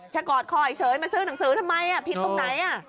แค่กอดคอไอ้เชิญมาซื้อหนังสือทำไมผิดตรงไหน